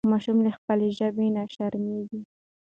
ماشوم له خپلې ژبې نه شرمېږي.